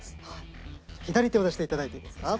左手を出していただいていいですか？